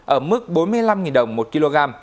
ở mức bốn mươi năm đồng một kg